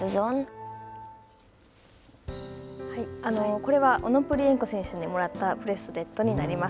これはオノプリエンコ選手にもらったブレスレットになります。